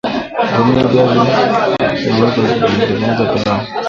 Kutumia viazi na weka kwenye kutengeneza pilau